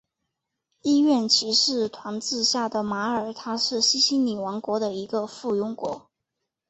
医院骑士团治下的马耳他是西西里王国的一个附庸国。